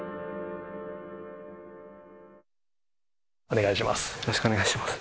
お願いします。